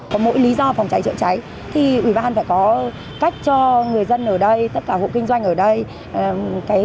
có mỗi lý do phòng cháy chữa cháy thì ủy ban phải có cách cho người dân ở đây tất cả hộ kinh doanh ở đây